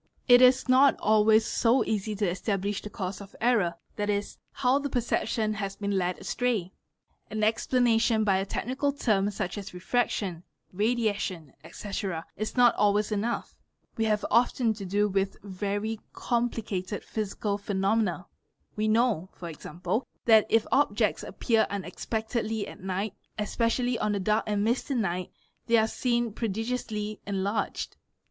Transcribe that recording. It is nol always so easy to establish the cause of error, 7.e., how the perception ha been led astray; an explanation by a technical term such as refraction radiation, etc., is not always enough; we have often to do with very com plicated psychical phenomena. We know, e.g., that if objects appeal unexpectedly at night, especially on a dark and misty night, they ar PERCEPTION 65 seen prodigiously enlarged.